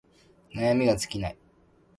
悩みが尽きない